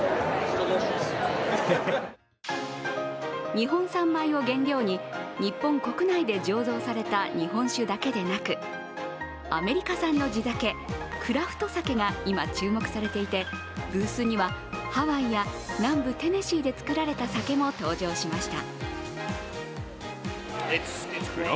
日本産米を原料に日本国内で醸造された日本酒だけでなくアメリカ産の地酒、クラフト酒が今、注目されていて、ブースにはハワイや南部テネシーで造られた酒も登場しました。